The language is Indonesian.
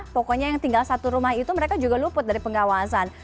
pokoknya yang tinggal satu rumah itu mereka juga luput dari pengawasan